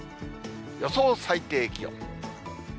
予想最低気温。